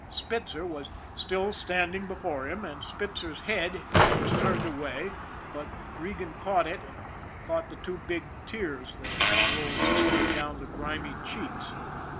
Spitzer was SPITZER 77 still standing before him, and Spitzer's head was turned away, but Regan caught it, caught the two big tears that rolled slowly down the grimy cheeks.